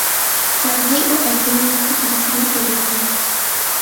চার ভাই ও এক বোনের মধ্যে তিনি ছিলেন চতুর্থ।